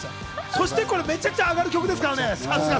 そしてめちゃくちゃアガる曲ですからね。